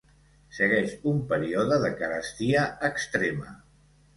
Segueix un període de carestia extrema.